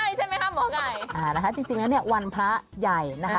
ใช่ใช่ไหมคะหมอไก่อ่านะคะจริงแล้วเนี่ยวันพระใหญ่นะคะ